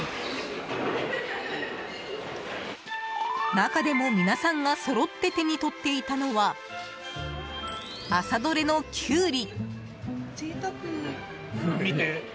中でも皆さんがそろって手に取っていたのは朝どれのキュウリ！